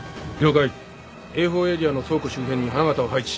Ａ４エリアの倉庫周辺に花形を配置。